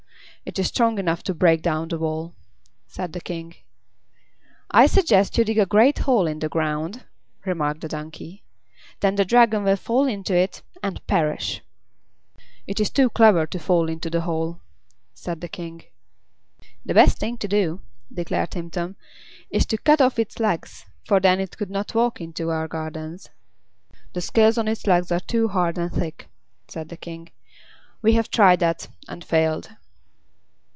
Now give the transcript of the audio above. "It is strong enough to break down the wall," said the King. "I suggest you dig a great hole in the ground," remarked the Donkey. "Then the Dragon will fall into it and perish." "It is too clever to fall into the hole," said the King. "The best thing to do," declared Timtom, "is to cut off its legs; for then it could not walk into our gardens." "The scales on its legs are too hard and thick," said the King. "We have tried that, and failed."